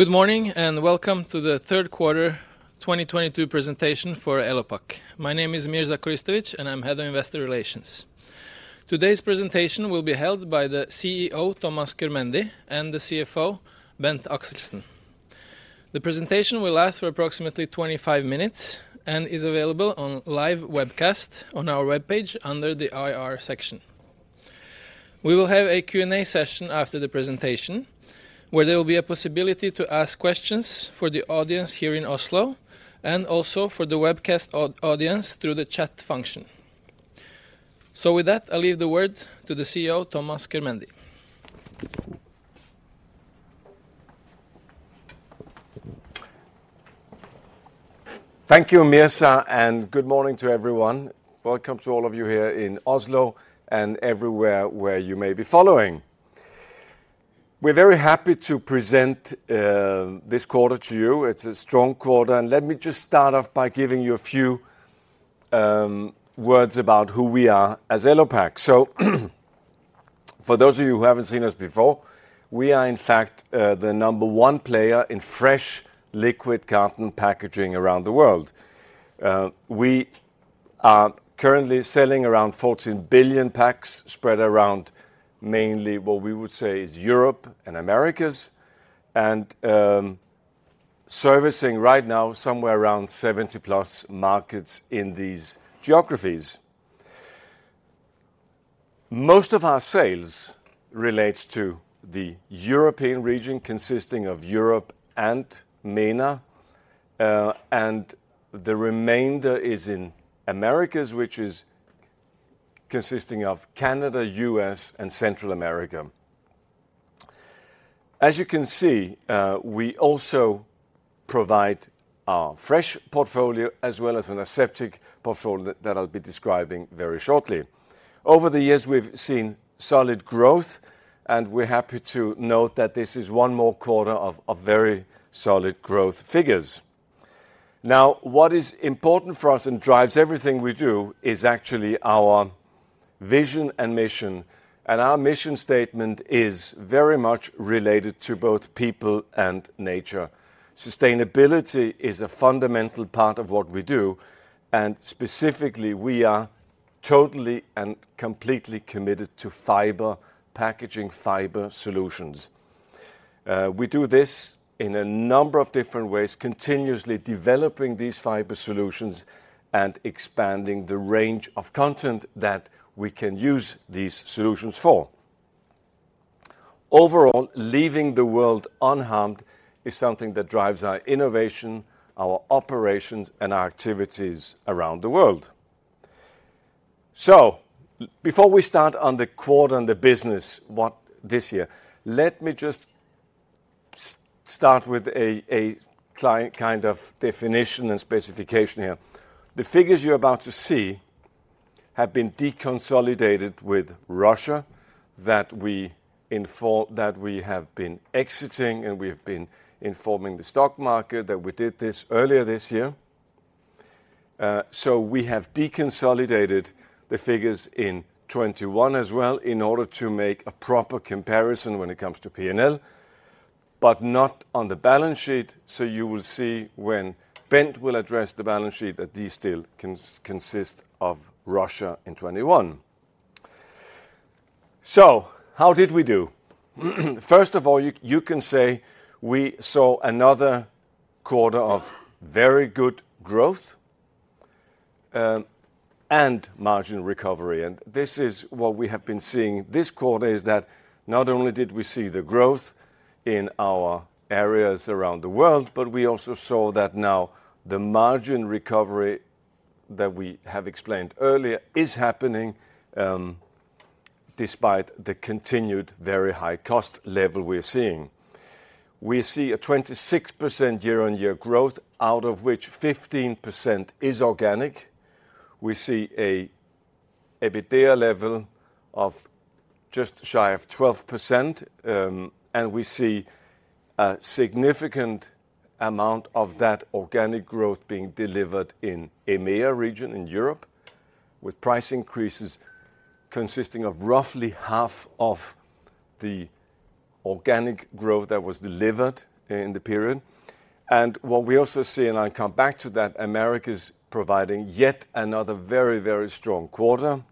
Good morning and welcome to the third quarter 2022 presentation for Elopak. My name is Mirza Koristovic, and I'm Head of Investor Relations. Today's presentation will be held by the CEO, Thomas Körmendi, and the CFO, Bent K. Axelsen. The presentation will last for approximately 25 minutes and is available on live webcast on our webpage under the IR section. We will have a Q&A session after the presentation, where there will be a possibility to ask questions for the audience here in Oslo and also for the webcast audience through the chat function. With that, I'll leave the word to the CEO, Thomas Körmendi. Thank you, Mirza, and good morning to everyone. Welcome to all of you here in Oslo and everywhere where you may be following. We're very happy to present this quarter to you. It's a strong quarter, and let me just start off by giving you a few words about who we are as Elopak. For those of you who haven't seen us before, we are in fact the number one player in fresh liquid carton packaging around the world. We are currently selling around 14 billion packs spread around mainly what we would say is Europe and Americas, and servicing right now somewhere around 7+ markets in these geographies. Most of our sales relates to the European region consisting of Europe and MENA, and the remainder is in Americas, which is consisting of Canada, U.S., and Central America. As you can see, we also provide our fresh portfolio as well as an aseptic portfolio that I'll be describing very shortly. Over the years, we've seen solid growth, and we're happy to note that this is one more quarter of very solid growth figures. Now, what is important for us and drives everything we do is actually our vision and mission, and our mission statement is very much related to both people and nature. Sustainability is a fundamental part of what we do, and specifically, we are totally and completely committed to fiber, packaging fiber solutions. We do this in a number of different ways, continuously developing these fiber solutions and expanding the range of content that we can use these solutions for. Overall, leaving the world unharmed is something that drives our innovation, our operations, and our activities around the world. Before we start on the quarter and the business for this year, let me just start with a kind of definition and specification here. The figures you're about to see have been deconsolidated, with Russia that we have been exiting, and we've been informing the stock market that we did this earlier this year. We have deconsolidated the figures in 2021 as well in order to make a proper comparison when it comes to P&L, but not on the balance sheet. You will see when Bent will address the balance sheet that these still consist of Russia in 2021. How did we do? First of all, you can say we saw another quarter of very good growth and margin recovery, and this is what we have been seeing this quarter, is that not only did we see the growth in our areas around the world, but we also saw that now the margin recovery that we have explained earlier is happening, despite the continued very high cost level we're seeing. We see a 26% year-on-year growth, out of which 15% is organic. We see an EBITDA level of just shy of 12%, and we see a significant amount of that organic growth being delivered in EMEA region in Europe, with price increases consisting of roughly half of the organic growth that was delivered in the period. What we also see, and I'll come back to that, Americas providing yet another very, very strong quarter.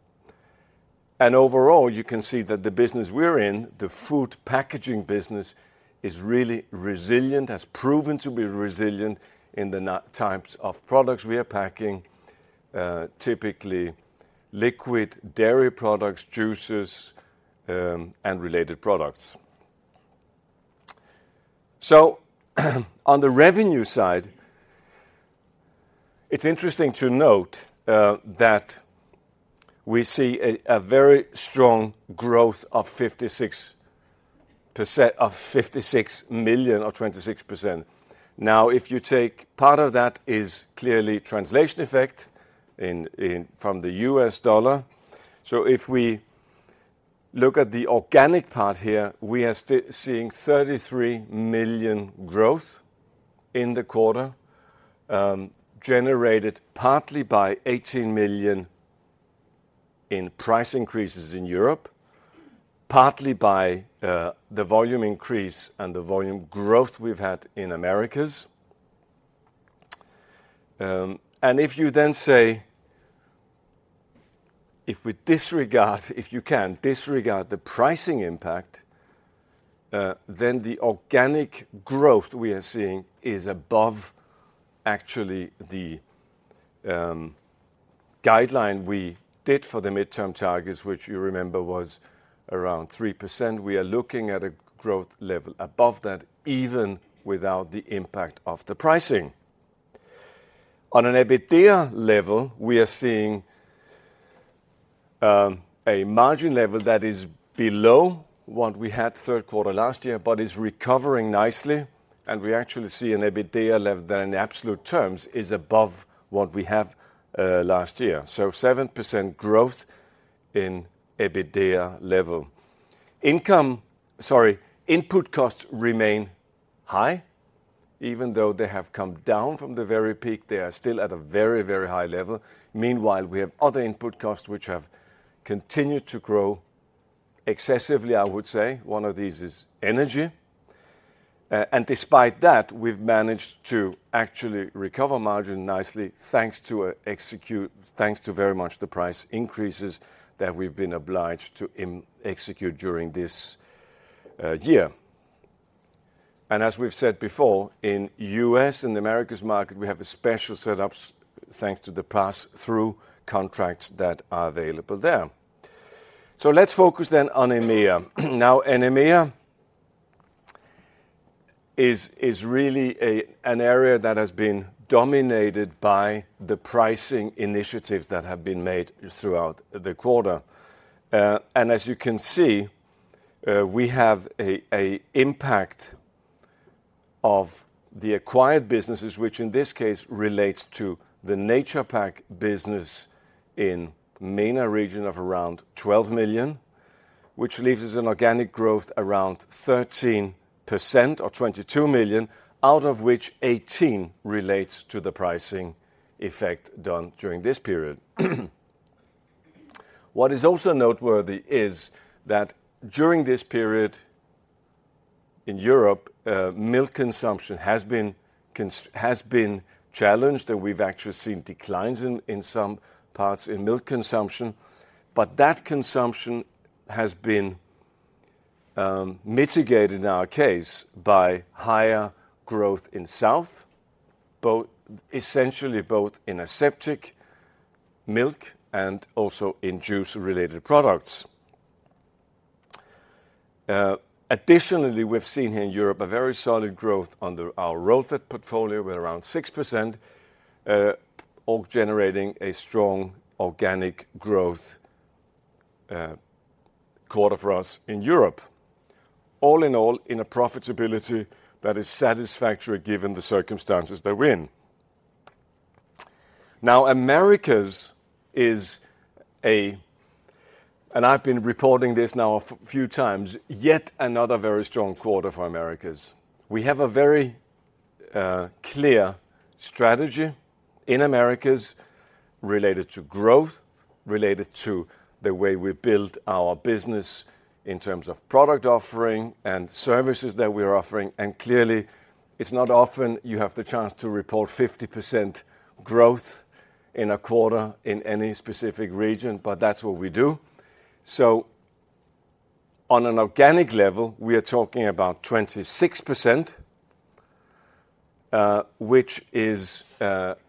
Overall, you can see that the business we're in, the food packaging business, is really resilient, has proven to be resilient in the types of products we are packing, typically liquid dairy products, juices, and related products. On the revenue side, it's interesting to note that we see a very strong growth of 56 million or 26%. Now, if you take part of that is clearly translation effect in from the U.S. dollar. If we look at the organic part here, we are seeing 33 million growth in the quarter, generated partly by 18 million in price increases in Europe, partly by the volume increase and the volume growth we've had in Americas. If you then say, if we disregard, if you can disregard the pricing impact, then the organic growth we are seeing is above actually the guideline we did for the midterm targets, which you remember was around 3%. We are looking at a growth level above that, even without the impact of the pricing. On an EBITDA level, we are seeing a margin level that is below what we had third quarter last year, but is recovering nicely, and we actually see an EBITDA level that in absolute terms is above what we have last year. 7% growth in EBITDA level. Input costs remain high. Even though they have come down from the very peak, they are still at a very, very high level. Meanwhile, we have other input costs which have continued to grow excessively, I would say. One of these is energy. Despite that, we've managed to actually recover margin nicely thanks to very much the price increases that we've been obliged to execute during this year. As we've said before, in U.S. and Americas market, we have special setups thanks to the pass-through contracts that are available there. Let's focus then on EMEA. Now in EMEA is really an area that has been dominated by the pricing initiatives that have been made throughout the quarter. As you can see, we have an impact of the acquired businesses, which in this case relates to the Naturepak business in MENA region of around 12 million, which leaves us an organic growth around 13% or 22 million, out of which 18 relates to the pricing effect done during this period. What is also noteworthy is that during this period in Europe, milk consumption has been challenged, and we've actually seen declines in some parts in milk consumption. That consumption has been mitigated in our case by higher growth in South, essentially both in aseptic milk and also in juice-related products. Additionally, we've seen here in Europe a very solid growth under our roll-fed portfolio with around 6%, all generating a strong organic growth quarter for us in Europe. All in all, in a profitability that is satisfactory given the circumstances that we're in. Now, Americas is, and I've been reporting this now a few times, yet another very strong quarter for Americas. We have a very clear strategy in Americas related to growth, related to the way we build our business in terms of product offering and services that we're offering. Clearly, it's not often you have the chance to report 50% growth in a quarter in any specific region, but that's what we do. On an organic level, we are talking about 26%, which is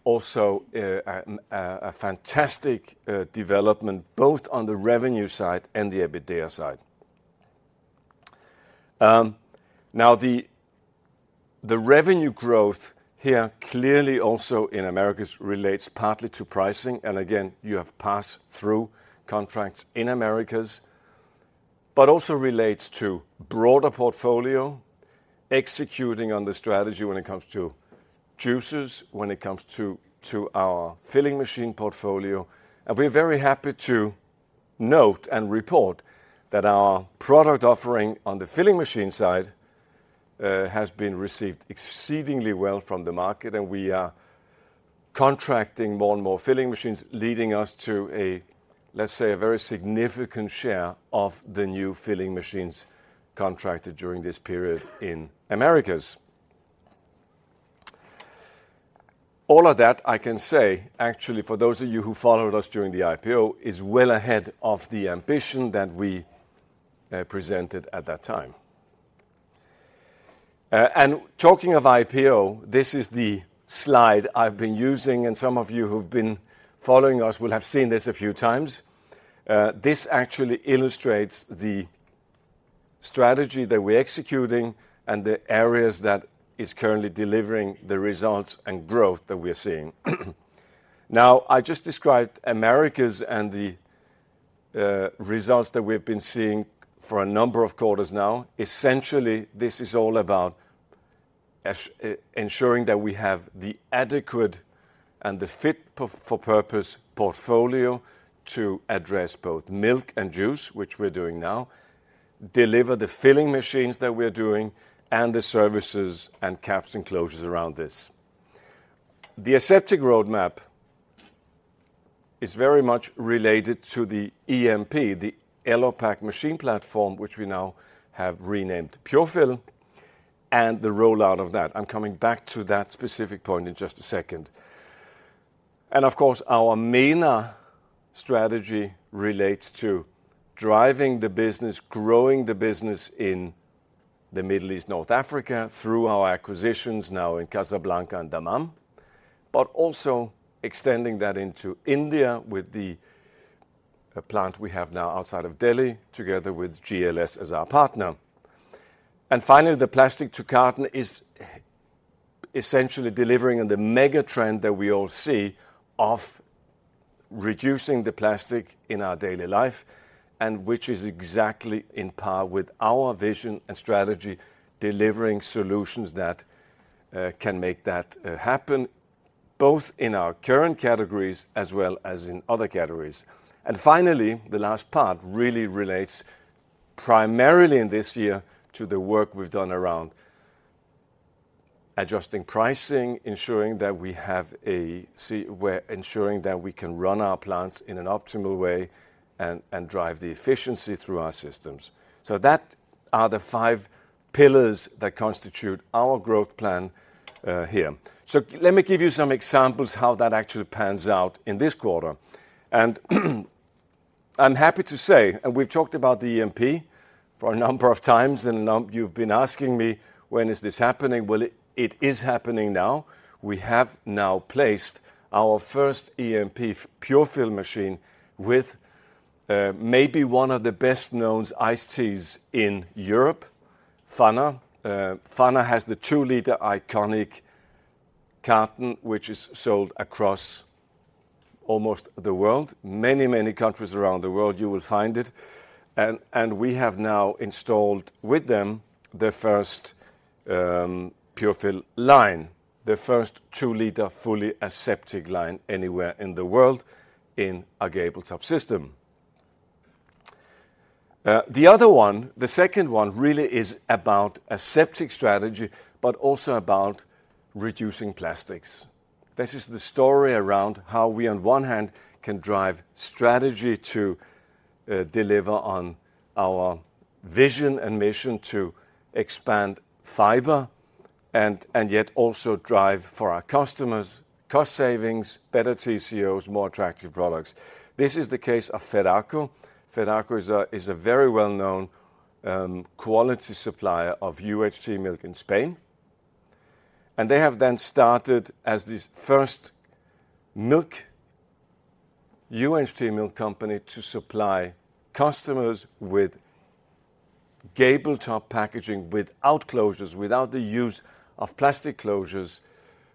also a fantastic development both on the revenue side and the EBITDA side. Now the revenue growth here clearly also in Americas relates partly to pricing, and again, you have pass-through contracts in Americas, but also relates to broader portfolio, executing on the strategy when it comes to juices, when it comes to our filling machine portfolio. We're very happy to note and report that our product offering on the filling machine side has been received exceedingly well from the market, and we are contracting more and more filling machines, leading us to a, let's say, a very significant share of the new filling machines contracted during this period in Americas. All of that I can say, actually, for those of you who followed us during the IPO, is well ahead of the ambition that we presented at that time. Talking of IPO, this is the slide I've been using, and some of you who've been following us will have seen this a few times. This actually illustrates the strategy that we're executing and the areas that is currently delivering the results and growth that we're seeing. Now, I just described Americas and the results that we've been seeing for a number of quarters now. Essentially, this is all about ensuring that we have the adequate and the fit for purpose portfolio to address both milk and juice, which we're doing now, deliver the filling machines that we're doing, and the services and caps and closures around this. The aseptic roadmap is very much related to the EMP, the Elopak Machine Platform, which we now have renamed Pure-Fill, and the rollout of that. I'm coming back to that specific point in just a second. Of course, our MENA strategy relates to driving the business, growing the business in the Middle East, North Africa through our acquisitions now in Casablanca and Dammam, but also extending that into India with the plant we have now outside of Delhi together with GLS as our partner. Finally, the plastic to carton is essentially delivering on the mega trend that we all see of reducing the plastic in our daily life and which is exactly on par with our vision and strategy, delivering solutions that can make that happen both in our current categories as well as in other categories. Finally, the last part really relates primarily in this year to the work we've done around adjusting pricing, ensuring that we have. We're ensuring that we can run our plants in an optimal way and drive the efficiency through our systems. That are the five pillars that constitute our growth plan here. Let me give you some examples how that actually pans out in this quarter. I'm happy to say, and we've talked about the EMP for a number of times, and you've been asking me when is this happening? Well, it is happening now. We have now placed our first EMP Pure-Fill machine with maybe one of the best-known iced teas in Europe, Pfanner. Pfanner has the two-liter iconic carton, which is sold across almost the world. Many, many countries around the world you will find it. We have now installed with them the first Pure-Fill line, the first two-liter fully aseptic line anywhere in the world in a gable top system. The other one, the second one really is about aseptic strategy, but also about reducing plastics. This is the story around how we on one hand can drive strategy to deliver on our vision and mission to expand fiber and yet also drive for our customers cost savings, better TCOs, more attractive products. This is the case of Pascual. Pascual is a very well-known quality supplier of UHT milk in Spain. They have then started as this first milk, UHT milk company to supply customers with gable top packaging without closures, without the use of plastic closures,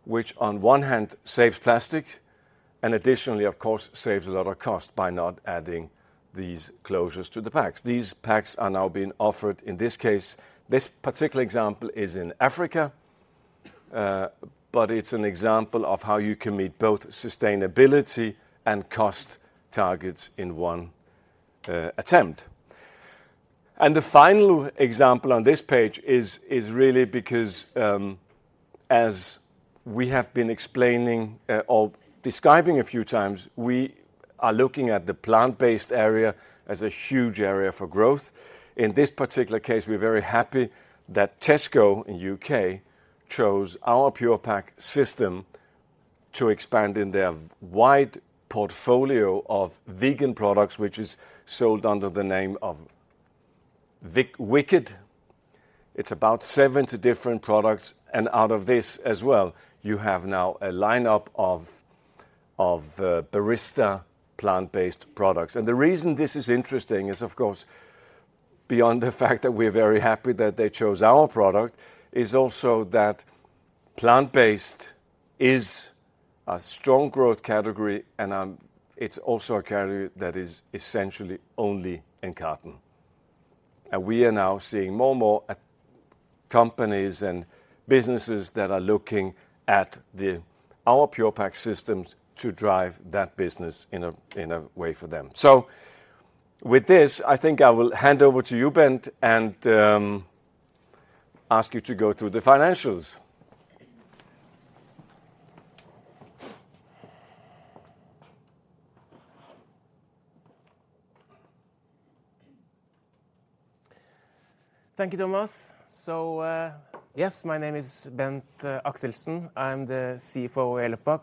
which on one hand saves plastic and additionally, of course, saves a lot of cost by not adding these closures to the packs. These packs are now being offered in this case. This particular example is in Africa, but it's an example of how you can meet both sustainability and cost targets in one attempt. The final example on this page is really because, as we have been explaining, or describing a few times, we are looking at the plant-based area as a huge area for growth. In this particular case, we're very happy that Tesco in U.K. chose our Pure-Pak system to expand in their wide portfolio of vegan products, which is sold under the name of Wicked Kitchen. It's about 70 different products, and out of this as well, you have now a lineup of barista plant-based products. The reason this is interesting is, of course, beyond the fact that we're very happy that they chose our product, is also that plant-based is a strong growth category, and it's also a category that is essentially only in carton. We are now seeing more and more companies and businesses that are looking at our Pure-Pak systems to drive that business in a way for them. With this, I think I will hand over to you, Bent, and ask you to go through the financials. Thank you, Thomas. Yes, my name is Bent Axelsen. I'm the CFO of Elopak.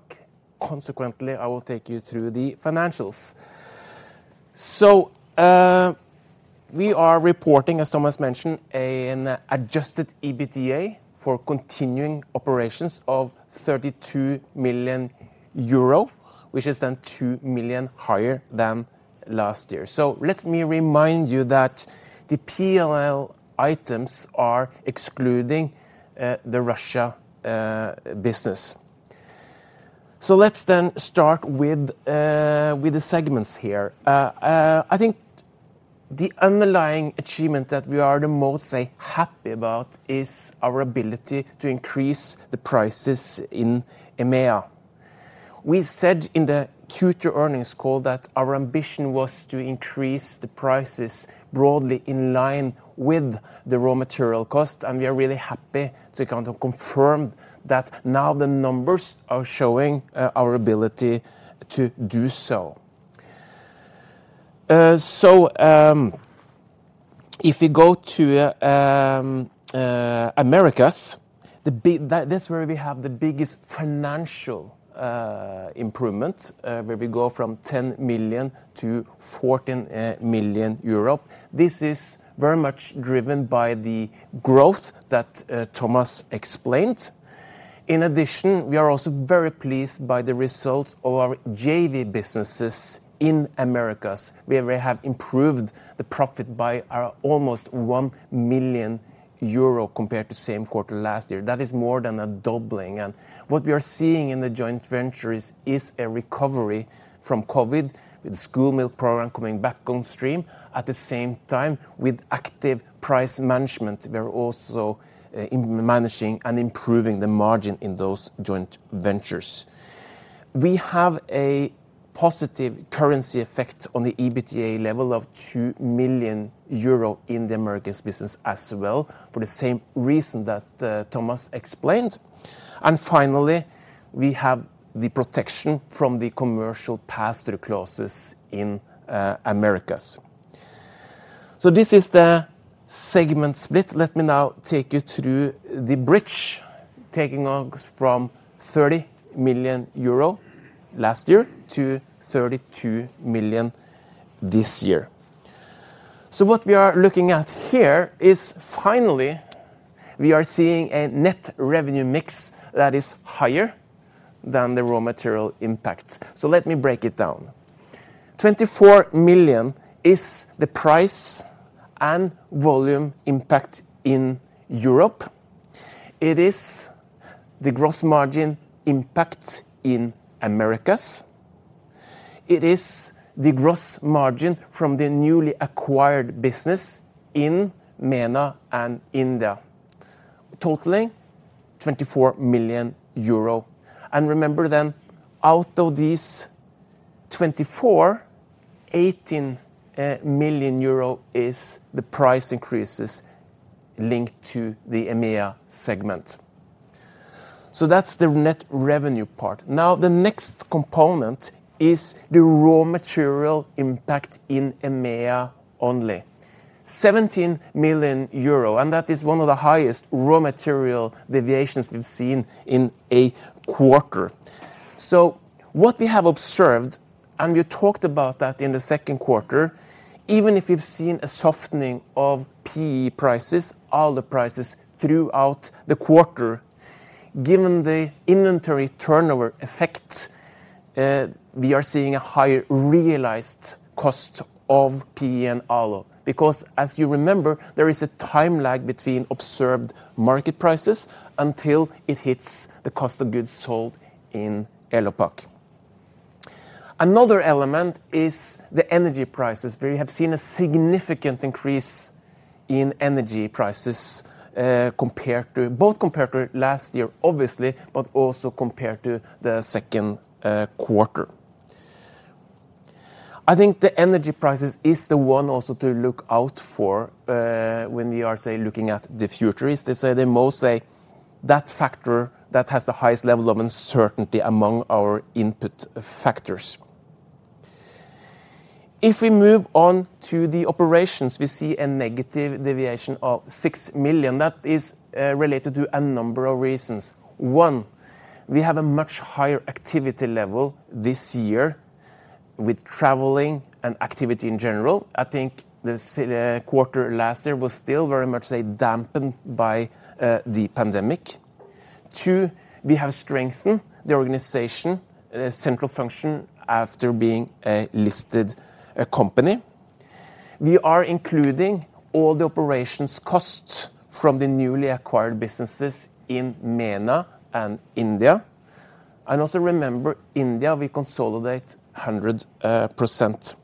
Consequently, I will take you through the financials. We are reporting, as Thomas mentioned, an adjusted EBITDA for continuing operations of 32 million euro, which is then 2 million higher than last year. Let me remind you that the P&L items are excluding the Russia business. Let's then start with the segments here. I think the underlying achievement that we are the most, say, happy about is our ability to increase the prices in EMEA. We said in the Q2 earnings call that our ambition was to increase the prices broadly in line with the raw material cost, and we are really happy to kind of confirm that now the numbers are showing our ability to do so. If you go to Americas, that's where we have the biggest financial improvement, where we go from 10 million to 14 million euro. This is very much driven by the growth that Thomas explained. In addition, we are also very pleased by the results of our JV businesses in Americas, where we have improved the profit by almost 1 million euro compared to same quarter last year. That is more than doubling. What we are seeing in the joint ventures is a recovery from COVID with school meal program coming back on stream. At the same time, with active price management, we are also managing and improving the margin in those joint ventures. We have a positive currency effect on the EBITDA level of 2 million euro in the Americas business as well for the same reason that, Thomas explained. Finally, we have the protection from the commercial pass-through clauses in Americas. This is the segment split. Let me now take you through the bridge, taking us from 30 million euro last year to 32 million this year. What we are looking at here is finally we are seeing a net revenue mix that is higher than the raw material impact. Let me break it down. 24 million is the price and volume impact in Europe. It is the gross margin impact in Americas. It is the gross margin from the newly acquired business in MENA and India, totaling 24 million euro. Remember, out of these 24, 18 million euro is the price increases linked to the EMEA segment. That's the net revenue part. Now, the next component is the raw material impact in EMEA only. 17 million euro, and that is one of the highest raw material deviations we've seen in a quarter. What we have observed, and we talked about that in the second quarter, even if you've seen a softening of PE prices, alu prices throughout the quarter, given the inventory turnover effect, we are seeing a higher realized cost of PE and alu because as you remember, there is a time lag between observed market prices until it hits the cost of goods sold in Elopak. Another element is the energy prices, where we have seen a significant increase in energy prices compared to both last year, obviously, but also compared to the second quarter. I think the energy prices is the one also to look out for when we are looking at the future, to say the most, that factor that has the highest level of uncertainty among our input factors. If we move on to the operations, we see a negative deviation of 6 million. That is related to a number of reasons. One, we have a much higher activity level this year with traveling and activity in general. I think the quarter last year was still very much dampened by the pandemic. Two, we have strengthened the organization central function after being a listed company. We are including all the operations costs from the newly acquired businesses in MENA and India. Also remember India, we consolidate 100%.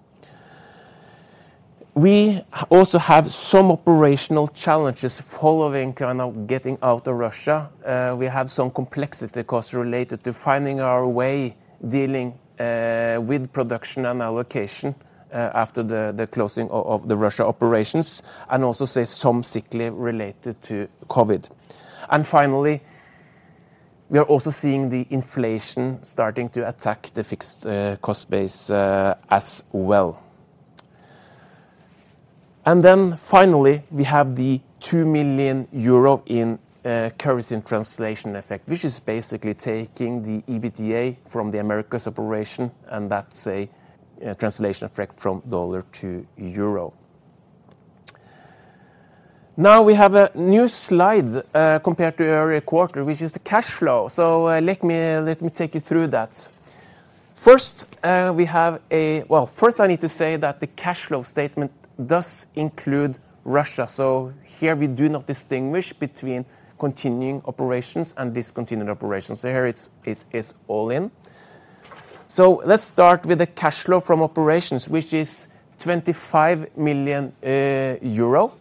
We also have some operational challenges following kind of getting out of Russia. We have some complexity costs related to finding our way dealing with production and allocation after the closing of the Russia operations and also some sick leave related to COVID. Finally, we are also seeing the inflation starting to attack the fixed cost base as well. Finally, we have the 2 million euro in currency translation effect, which is basically taking the EBITDA from the Americas operation, and that's a translation effect from the U.S. dollar to euro. Now we have a new slide compared to earlier quarter, which is the cash flow. Let me take you through that. First I need to say that the cash flow statement does include Russia. Here we do not distinguish between continuing operations and discontinued operations. Here it's all in. Let's start with the cash flow from operations, which is 25 million euro.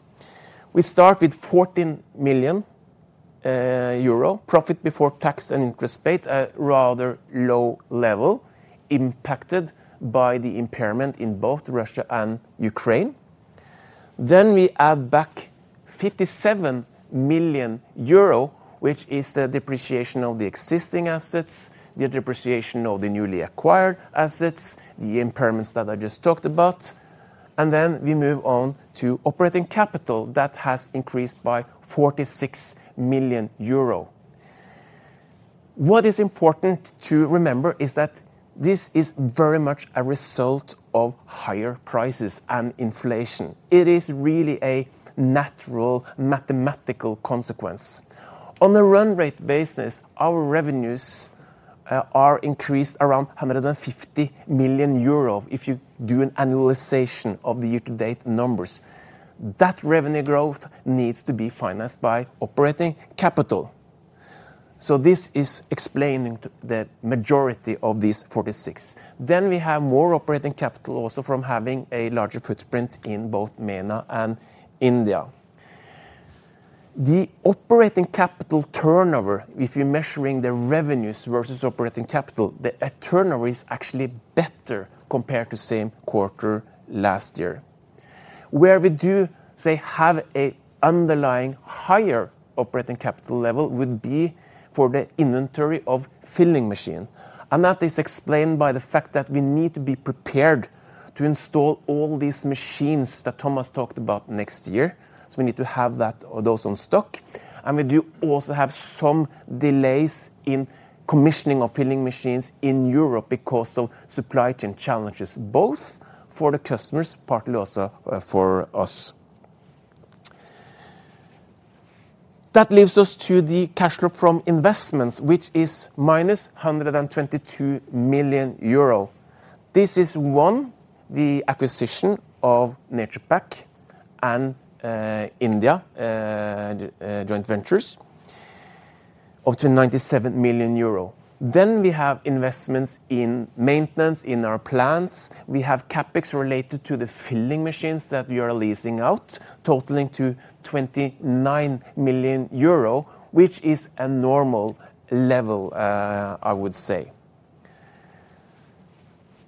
We start with 14 million euro. Profit before tax and interest paid are rather low level, impacted by the impairment in both Russia and Ukraine. We add back 57 million euro, which is the depreciation of the existing assets, the depreciation of the newly acquired assets, the impairments that I just talked about. We move on to operating capital. That has increased by 46 million euro. What is important to remember is that this is very much a result of higher prices and inflation. It is really a natural mathematical consequence. On a run rate basis, our revenues are increased around 150 million euro if you do an annualization of the year-to-date numbers. That revenue growth needs to be financed by operating capital. This is explaining the majority of these 46 million. Then we have more operating capital also from having a larger footprint in both MENA and India. The operating capital turnover, if you're measuring the revenues versus operating capital, the turnover is actually better compared to same quarter last year. Where we do have a underlying higher operating capital level would be for the inventory of filling machine. That is explained by the fact that we need to be prepared to install all these machines that Thomas talked about next year. We need to have those in stock. We do also have some delays in commissioning of filling machines in Europe because of supply chain challenges, both for the customers, partly also for us. That leads us to the cash flow from investments, which is minus 122 million euro. This is one, the acquisition of Naturepak and India joint ventures, up to 97 million euro. Then we have investments in maintenance in our plants. We have CapEx related to the filling machines that we are leasing out, totaling 29 million euro, which is a normal level, I would say.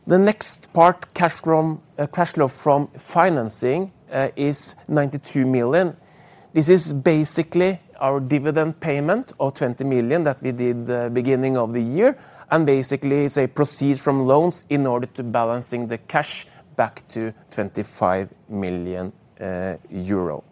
The next part, cash flow from financing, is 92 million. This is basically our dividend payment of 20 million that we did at the beginning of the year, and basically is proceeds from loans in order to balance the cash back to 25 million euro.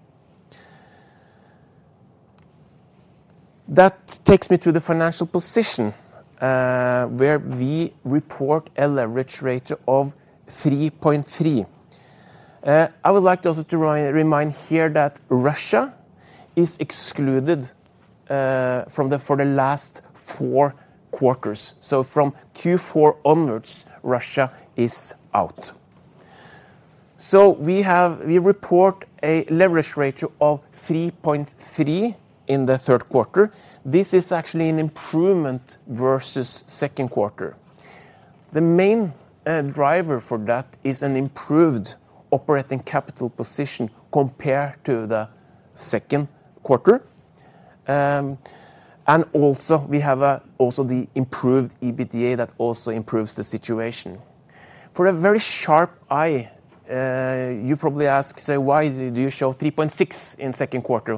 That takes me to the financial position, where we report a leverage ratio of 3.3. I would like to also remind here that Russia is excluded from for the last four quarters. From Q4 onwards, Russia is out. We report a leverage ratio of 3.3 in the third quarter. This is actually an improvement versus second quarter. The main driver for that is an improved operating capital position compared to the second quarter. And also we have also the improved EBITDA that also improves the situation. For a very sharp eye, you probably ask, say, "Why did you show 3.6 in second quarter?"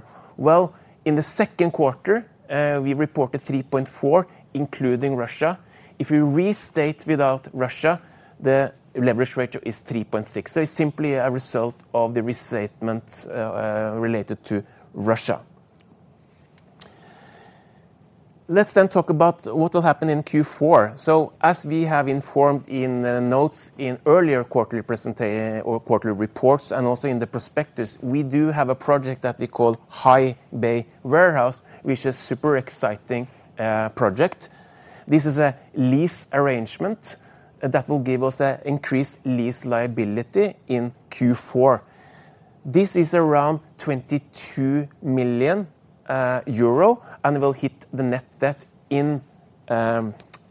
Well, in the second quarter, we reported 3.4, including Russia. If you restate without Russia, the leverage ratio is 3.6. It's simply a result of the restatements related to Russia. Let's talk about what will happen in Q4. As we have informed in the notes in earlier quarterly reports and also in the prospectus, we do have a project that we call High-Bay Warehouse, which is super exciting project. This is a lease arrangement that will give us an increased lease liability in Q4. This is around 22 million euro and will hit the net debt in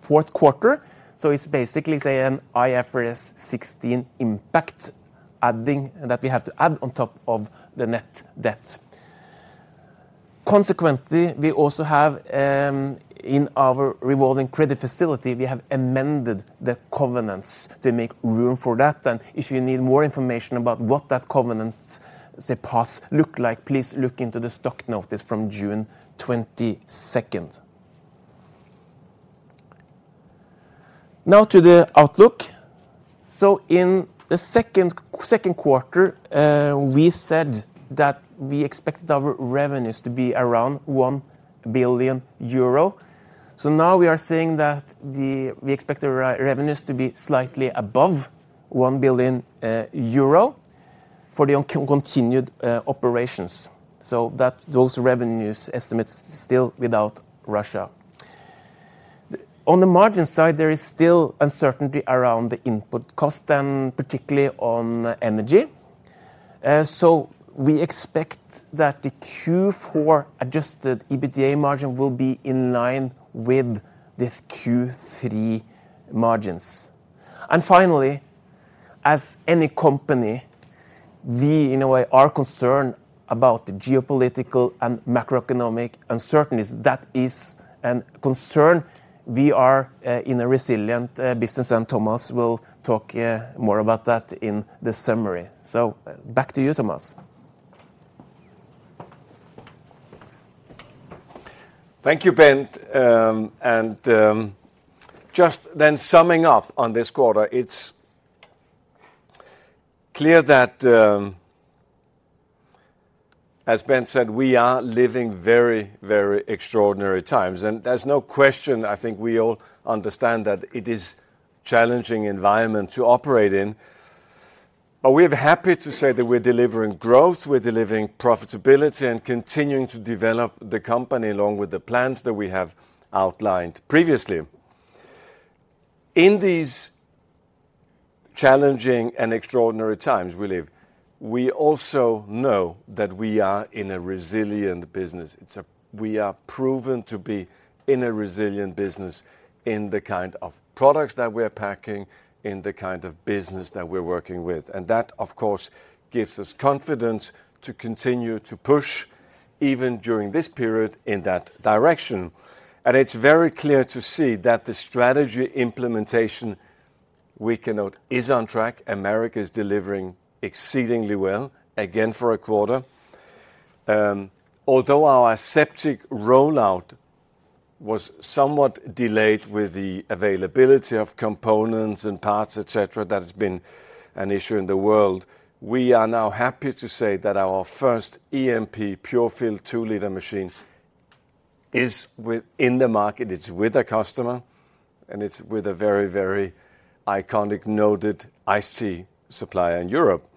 fourth quarter. It's basically say an IFRS 16 impact that we have to add on top of the net debt. Consequently, we also have in our revolving credit facility, we have amended the covenants to make room for that. If you need more information about what that covenants, say, paths look like, please look into the stock notice from June 22. Now to the outlook. In the second quarter, we said that we expected our revenues to be around 1 billion euro. Now we are saying that we expect our revenues to be slightly above 1 billion euro for the continued operations. Those revenues estimates still without Russia. On the margin side, there is still uncertainty around the input cost and particularly on energy. We expect that the Q4 adjusted EBITDA margin will be in line with the Q3 margins. Finally, as any company, we, in a way, are concerned about the geopolitical and macroeconomic uncertainties. That is a concern. We are in a resilient business, and Thomas will talk more about that in the summary. Back to you, Thomas. Thank you, Bent. And just then summing up on this quarter, it's clear that, as Bent said, we are living very, very extraordinary times, and there's no question. I think we all understand that it is challenging environment to operate in, but we're happy to say that we're delivering growth, we're delivering profitability, and continuing to develop the company along with the plans that we have outlined previously. In these challenging and extraordinary times we live, we also know that we are in a resilient business. We are proven to be in a resilient business in the kind of products that we're packing, in the kind of business that we're working with, and that, of course, gives us confidence to continue to push even during this period in that direction. It's very clear to see that the strategy implementation we can note is on track. Americas is delivering exceedingly well, again, for a quarter. Although our aseptic rollout was somewhat delayed with the availability of components and parts, et cetera, that has been an issue in the world, we are now happy to say that our first EMP Pure-Fill two-liter machine is in the market. It's with a customer, and it's with a very, very iconic noted UHT supplier in Europe.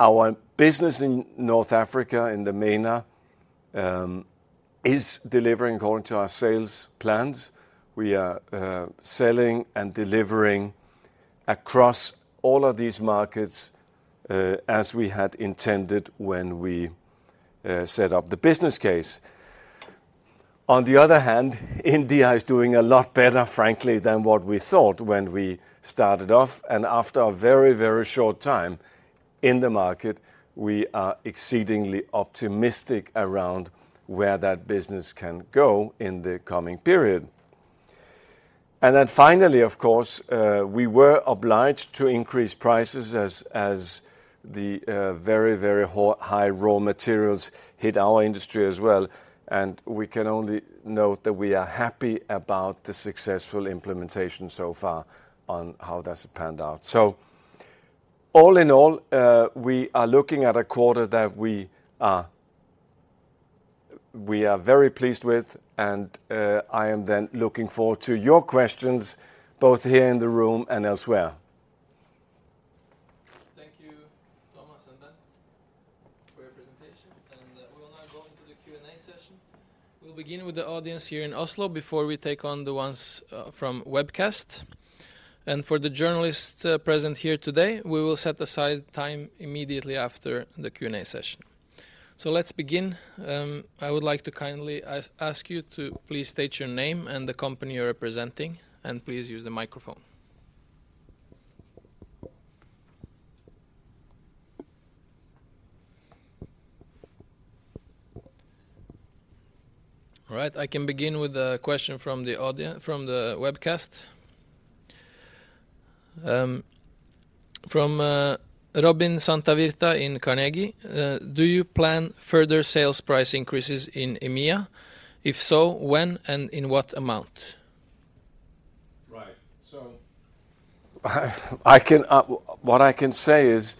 Our business in North Africa and the MENA, is delivering according to our sales plans. We are selling and delivering across all of these markets, as we had intended when we set up the business case. On the other hand, India is doing a lot better, frankly, than what we thought when we started off. After a very, very short time in the market, we are exceedingly optimistic around where that business can go in the coming period. Then finally, of course, we were obliged to increase prices as the very high raw materials hit our industry as well, and we can only note that we are happy about the successful implementation so far on how that's panned out. All in all, we are looking at a quarter that we are very pleased with, and I am then looking forward to your questions both here in the room and elsewhere. Thank you, Thomas and Bent, for your presentation, and we will now go into the Q&A session. We'll begin with the audience here in Oslo before we take on the ones from webcast. For the journalists present here today, we will set aside time immediately after the Q&A session. Let's begin. I would like to kindly ask you to please state your name and the company you're representing, and please use the microphone. All right. I can begin with a question from the webcast. From Robin Santavirta in Carnegie, "Do you plan further sales price increases in EMEA? If so, when and in what amount? Right. What I can say is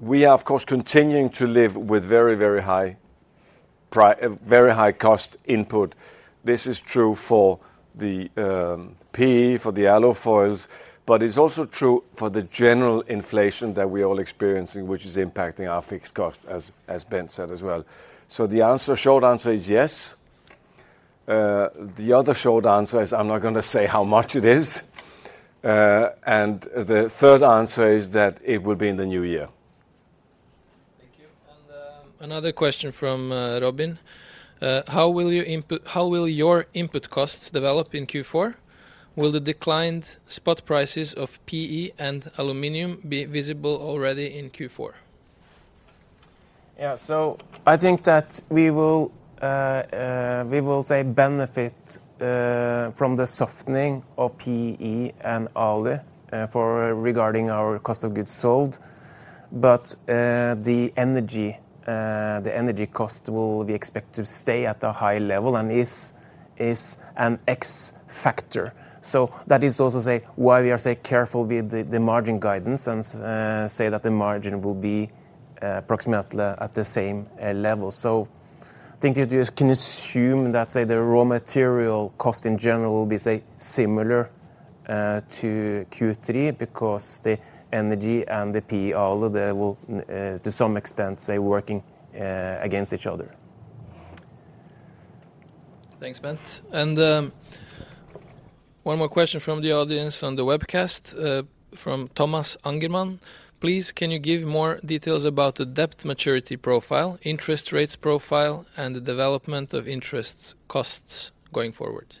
we are, of course, continuing to live with very high cost input. This is true for the PE, for the alu foils, but it's also true for the general inflation that we're all experiencing, which is impacting our fixed cost, as Bent said as well. The answer, short answer is yes. The other short answer is I'm not gonna say how much it is. The third answer is that it would be in the new year. Thank you. Another question from Robin. "How will your input costs develop in Q4? Will the declined spot prices of PE and aluminum be visible already in Q4? Yeah, I think that we will benefit from the softening of PE and alu regarding our cost of goods sold. The energy cost will be expected to stay at a high level and is an X factor. That is also why we are careful with the margin guidance and say that the margin will be approximately at the same level. I think you can just assume that the raw material cost in general will be similar to Q3 because the energy and the PE, although they will to some extent work against each other. Thanks, Bent. One more question from the audience on the webcast, from Thomas Angerman. "Please, can you give more details about the debt maturity profile, interest rates profile, and the development of interest costs going forward?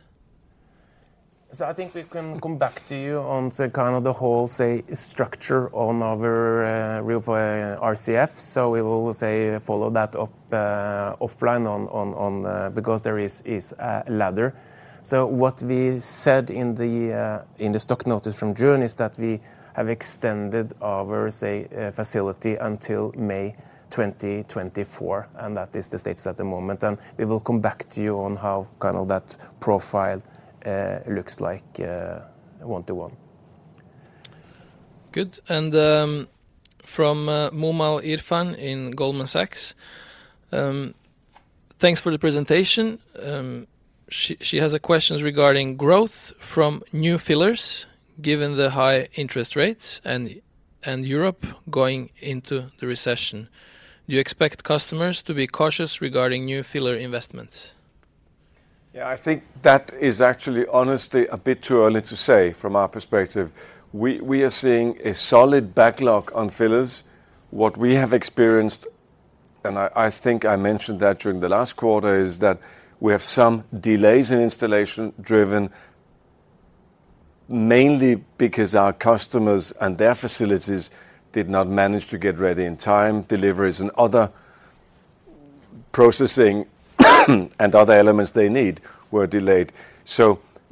I think we can come back to you on, say, kind of the whole structure on our revolver RCF. We will follow that up offline on that because there is a ladder. What we said in the stock notice from June is that we have extended our facility until May 2024, and that is the status at the moment. We will come back to you on how kind of that profile looks like, one to one. Good. From Muneeb Irfan in Goldman Sachs, thanks for the presentation. She has a question regarding growth from new fillers, given the high interest rates and Europe going into the recession. Do you expect customers to be cautious regarding new filler investments? Yeah, I think that is actually honestly a bit too early to say from our perspective. We are seeing a solid backlog on fillers. What we have experienced, and I think I mentioned that during the last quarter is that we have some delays in installation driven mainly because our customers and their facilities did not manage to get ready in time, deliveries and other processing and other elements they need were delayed.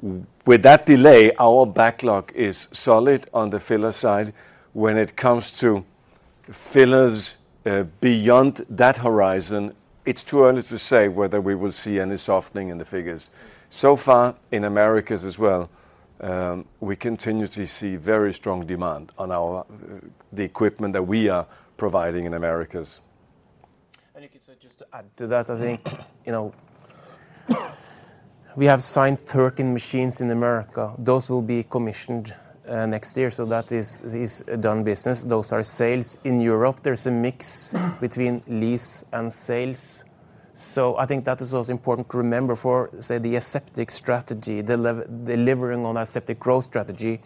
With that delay, our backlog is solid on the filler side. When it comes to fillers, beyond that horizon, it is too early to say whether we will see any softening in the figures. So far in Americas as well, we continue to see very strong demand on our the equipment that we are providing in Americas. You could say just to add to that, I think, we have signed 13 machines in America. Those will be commissioned next year, so that is done business. Those are sales in Europe. There's a mix between lease and sales. I think that is also important to remember for, say, the aseptic strategy, delivering on aseptic growth strategy.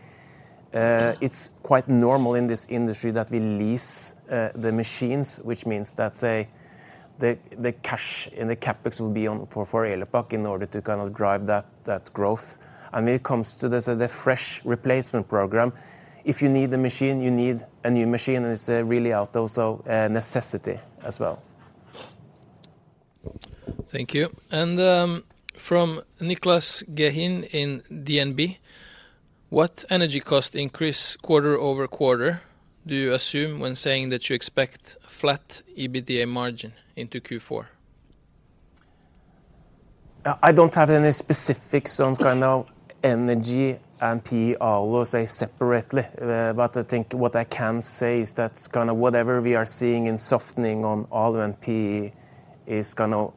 It's quite normal in this industry that we lease the machines, which means that, say, the cash and the CapEx will be on for Elopak in order to kind of drive that growth. It comes to this, the fresh replacement program. If you need the machine, you need a new machine, and it's really out of necessity as well. Thank you. From Niclas Gehin in DNB, what energy cost increase quarter over quarter do you assume when saying that you expect flat EBITDA margin into Q4? I don't have any specifics on energy and PE and alu separately. I think what I can say is that whatever we are seeing in softening on alu and PE is gonna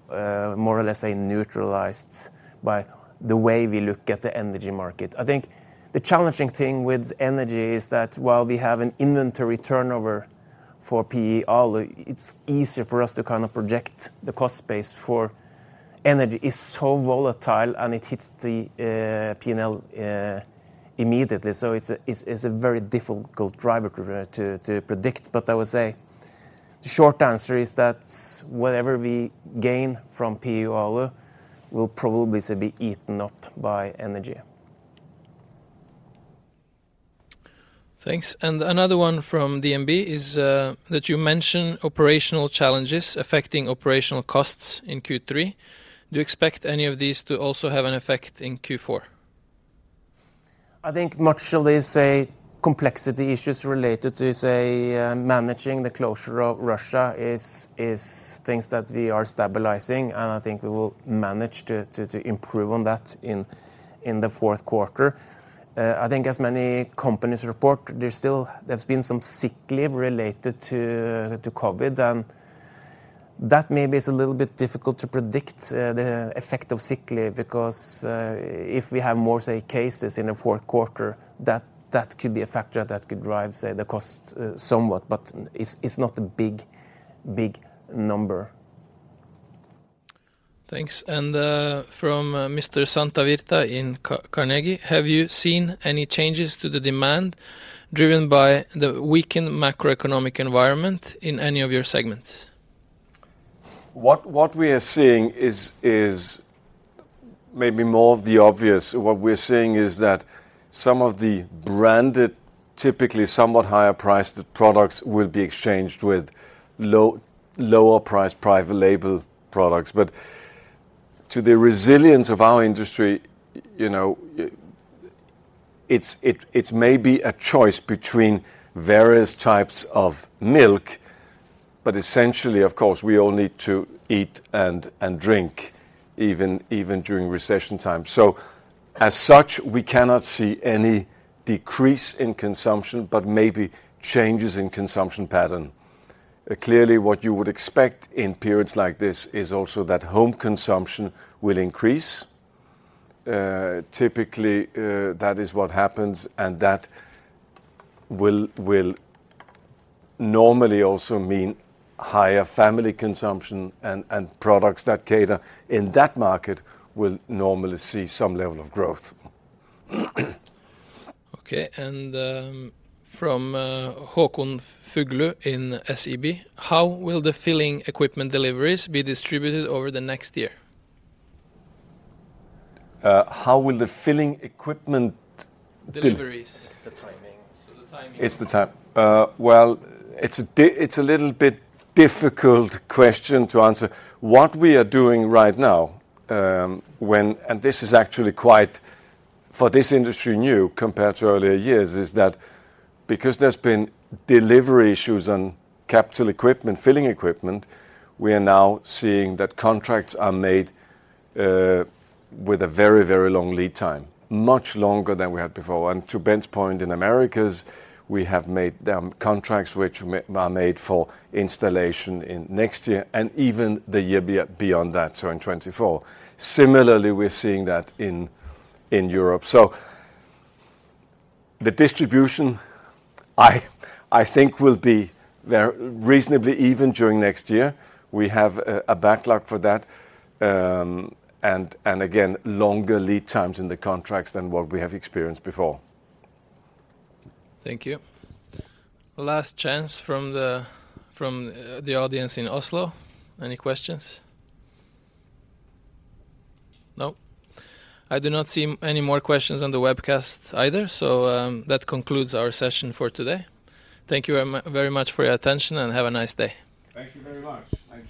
more or less neutralized by the way we look at the energy market. I think the challenging thing with energy is that while we have an inventory turnover for PE and alu, it's easier for us to kind of project the cost base for energy is so volatile, and it hits the P&L immediately. It's a very difficult driver to predict. I would say the short answer is that whatever we gain from PE and alu will probably be eaten up by energy. Thanks. Another one from DNB is, that you mention operational challenges affecting operational costs in Q3. Do you expect any of these to also have an effect in Q4? I think much of this complexity issues related to managing the closure of Russia is things that we are stabilizing, and I think we will manage to improve on that in the fourth quarter. I think as many companies report, there's still been some sick leave related to COVID, and that maybe is a little bit difficult to predict the effect of sick leave because if we have more cases in the fourth quarter, that could be a factor that could drive the costs somewhat, but it's not a big number. Thanks. From Mr. Santavirta in Carnegie, have you seen any changes to the demand driven by the weakened macroeconomic environment in any of your segments? What we are seeing is maybe more of the obvious. What we're seeing is that some of the branded, typically somewhat higher priced products will be exchanged with lower priced private label products. To the resilience of our industry, you know, it's maybe a choice between various types of milk, but essentially, of course, we all need to eat and drink even during recession time. As such, we cannot see any decrease in consumption, but maybe changes in consumption pattern. Clearly, what you would expect in periods like this is also that home consumption will increase. Typically, that is what happens, and that will normally also mean higher family consumption and products that cater in that market will normally see some level of growth. Okay. From Håkon Fuglu in SEB, how will the filling equipment deliveries be distributed over the next year? How will the filling equipment? Deliveries. It's the timing. The timing. It's the time. Well, it's a little bit difficult question to answer. What we are doing right now, and this is actually quite, for this industry, new compared to earlier years, is that because there's been delivery issues on capital equipment, filling equipment, we are now seeing that contracts are made, with a very long lead time, much longer than we had before. To Bent's point, in Americas, we have made, contracts which are made for installation in next year and even the year beyond that, so in 2024. Similarly, we're seeing that in Europe. The distribution, I think will be reasonably even during next year. We have a backlog for that, and again, longer lead times in the contracts than what we have experienced before. Thank you. Last chance from the audience in Oslo. Any questions? No. I do not see any more questions on the webcast either, so that concludes our session for today. Thank you, very much for your attention, and have a nice day. Thank you very much. Thank you.